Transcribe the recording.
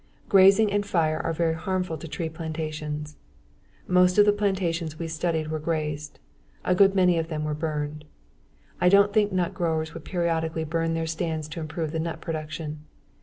Grazing and fire are very harmful to tree plantations. Most of the plantations we studied were grazed. A good many were burned. I don't think nut growers would periodically burn their stands to improve the nut production.